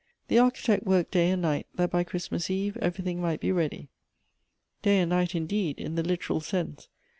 The Architect worked day and night, that by Christmas eve everything might be ready. Day and night, indeed, in the literal sense.